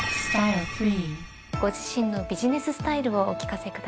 ご自身のビジネススタイルをお聞かせください。